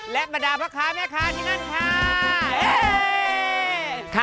และบรรดาพ่อค้าแม่ค้าที่นั่นค่ะ